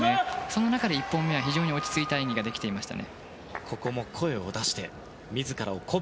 その中で１本目は非常に落ち着いた演技ができていました。